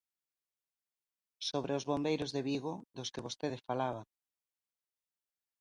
Sobre os bombeiros de Vigo, dos que vostede falaba.